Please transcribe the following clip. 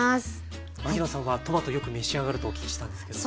牧野さんはトマトよく召し上がるとお聞きしたんですけど。